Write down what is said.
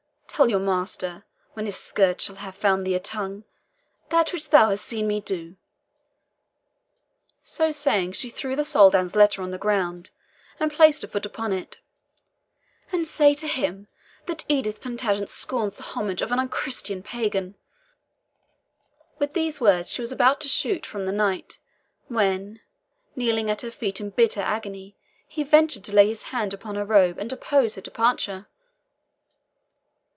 Tell your master, when his scourge shall have found thee a tongue, that which thou hast seen me do" so saying, she threw the Soldan's letter on the ground, and placed her foot upon it "and say to him, that Edith Plantagenet scorns the homage of an unchristened pagan." With these words she was about to shoot from the knight, when, kneeling at her feet in bitter agony, he ventured to lay his hand upon her robe and oppose her departure.